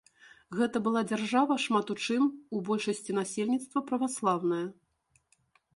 Гэта была дзяржава шмат у чым, у большасці насельніцтва праваслаўная.